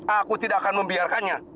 aku tidak akan membiarkannya